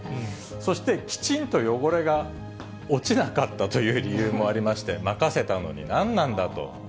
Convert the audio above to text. そして、きちんと汚れが落ちなかったという理由もありまして、任せたのに何なんだと。